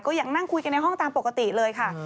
ยังนั่งคุยกันในห้องตามปกติเลยค่ะ